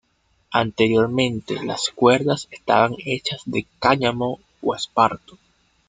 Anteriormente las cuerdas estaban hechas de cáñamo o esparto.